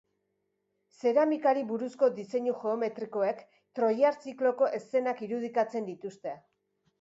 Zeramikari buruzko diseinu geometrikoek troiar zikloko eszenak irudikatzen dituzte.